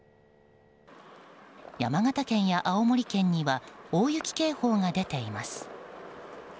山形県や青森県には大雪警報が出ています。